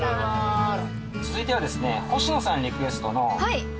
続いてはですね。